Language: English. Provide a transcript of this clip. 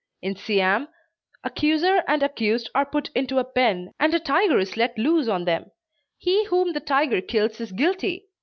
In Siam, accuser and accused are put into a pen and a tiger is let loose on them. He whom the tiger kills is guilty.